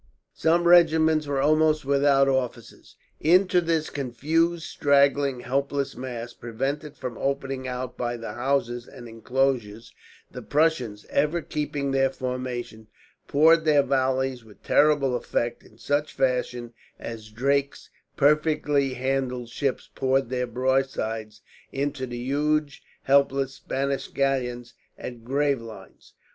Some regiments were almost without officers. Into this confused, straggling, helpless mass, prevented from opening out by the houses and inclosures, the Prussians, ever keeping their formation, poured their volleys with terrible effect; in such fashion as Drake's perfectly handled ships poured their broadsides into the huge helpless Spanish galleons at Gravelines.